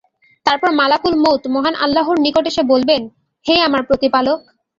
তারপর মালাকুল মউত মহান আল্লাহর নিকট এসে বলবেন, হে আমার প্রতিপালক!